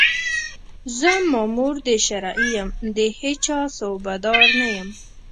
زه مامور د شرعي یم، د هېچا صوبه دار نه یم